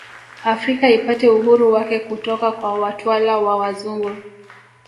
Afrika ipate uhuru wake kutoka kwa watwala wa wazungu